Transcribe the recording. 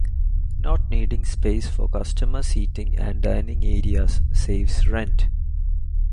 Not needing space for customer seating and dining areas saves rent.